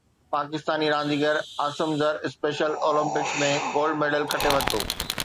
پاڪستاني رانديگر Asim Zar special Olympics ۾ gold medal کٽي ورتو